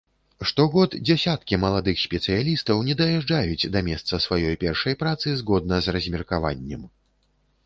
Штогод дзесяткі маладых спецыялістаў не даязджаюць да месца сваёй першай працы згодна з размеркаваннем.